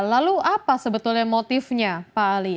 lalu apa sebetulnya motifnya pak ali